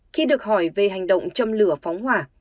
khi được hỏi về hành động châm lửa phóng hỏa